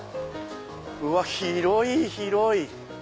うわ広い広い！